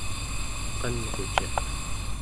qanruciq